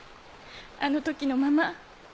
あの時のまま。